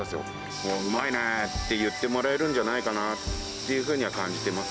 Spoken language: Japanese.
おっ、うまいねって言ってもらえるんじゃないかなって感じてます。